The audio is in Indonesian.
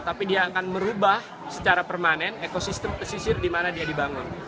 tapi dia akan merubah secara permanen ekosistem pesisir di mana dia dibangun